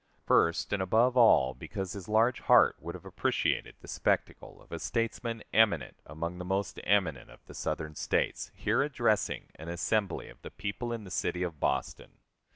First, and above all, because his large heart would have appreciated the spectacle of a statesman eminent among the most eminent of the Southern States here addressing an assembly of the people in the city of Boston.